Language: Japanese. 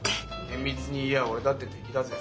厳密に言や俺だって敵だぜ。